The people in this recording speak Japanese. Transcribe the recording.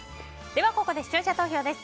ここで視聴者投票です。